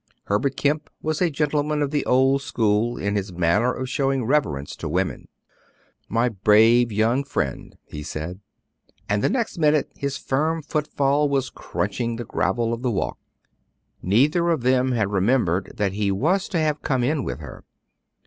Herbert Kemp was a gentleman of the old school in his manner of showing reverence to women. "My brave young friend!" he said; and the next minute his firm footfall was crunching the gravel of the walk. Neither of them had remembered that he was to have come in with her.